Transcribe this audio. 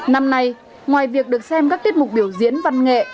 năm nay ngoài việc được xem các tiết mục biểu diễn văn nghệ